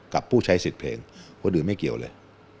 ผู้ใช้สิทธิ์เพลงคนอื่นไม่เกี่ยวเลย